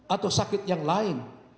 atau sakit yang lain